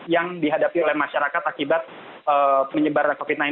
yang dihadapi oleh masyarakat akibat penyebaran covid sembilan belas